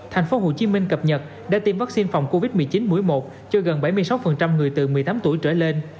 thành phố hồ chí minh cập nhật đã tiêm vaccine phòng covid một mươi chín mũi một cho gần bảy mươi sáu người từ một mươi tám tuổi trở lên